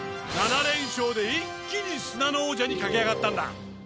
７連勝で一気に砂の王者に駆け上がったんだ。